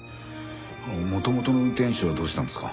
元々の運転手はどうしたんですか？